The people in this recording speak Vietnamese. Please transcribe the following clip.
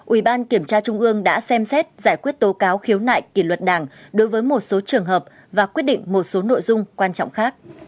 ủy ban kiểm tra trung ương đã xem xét giải quyết tố cáo khiếu nại kỷ luật đảng đối với một số trường hợp và quyết định một số nội dung quan trọng khác